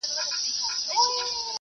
حنايي ګوتې! په خير شې پوه دې نه كړم